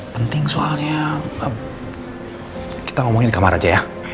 penting soalnya kita ngomongin di kamar aja ya